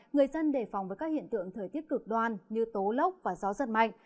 người dân đề phòng với các hiện tượng thời tiết cực đoan như tố lốc và gió giật mạnh